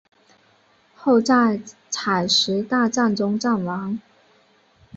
后在采石大战中战亡。